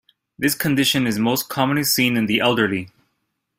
This condition is most commonly seen in the elderly.